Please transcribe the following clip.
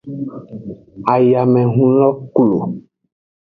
Ayamehun lo klo.